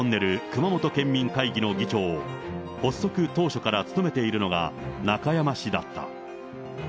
熊本県民会議の議長を発足当初から務めているのが、中山氏だった。